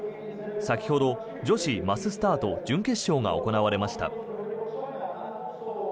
先ほど女子マススタート準決勝が行われました。